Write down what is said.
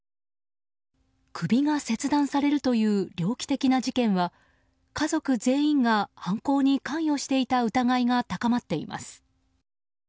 首が切断されるという猟奇的な事件は家族全員が犯行に関与していた疑いが高まっています。